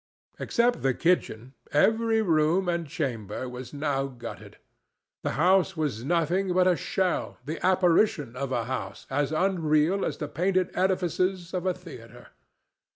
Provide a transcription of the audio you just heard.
Except the kitchen, every room and chamber was now gutted. The house was nothing but a shell, the apparition of a house, as unreal as the painted edifices of a theatre.